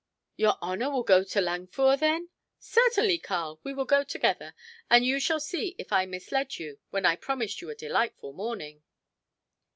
"Your honor will go to Langführ, then!" "Certainly, Karl. We will go together, and you shall see if I misled you when I promised you a delightful morning."